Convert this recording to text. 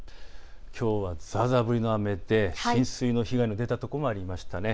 きょうはざーざー降りの雨で浸水の被害が出たところもありましたね。